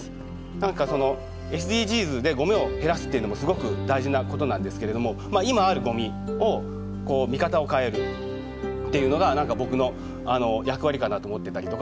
何かＳＤＧｓでゴミを減らすっていうのもすごく大事なことなんですけれども今あるゴミを見方を変えるっていうのが僕の役割かなと思ってたりとか。